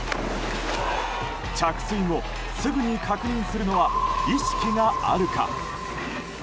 着水後すぐに確認するのは意識があるか。